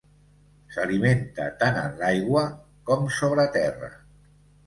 S'alimenta tant en l'aigua com sobre terra.